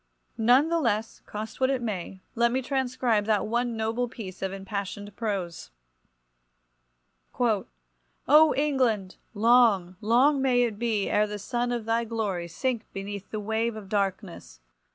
None the less, cost what it may, let me transcribe that one noble piece of impassioned prose— "O England! long, long may it be ere the sun of thy glory sink beneath the wave of darkness!